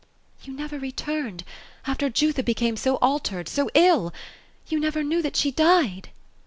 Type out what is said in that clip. '^ You never returned, after Jutba became so altered — so ill ? You never knew that she died